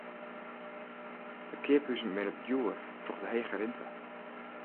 De keaphuzen binne djoer troch de hege rinte.